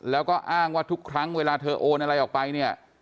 แล้วก็อ้างว่าทุกครั้งเวลาเธอโอนอะไรออกไปเนี่ย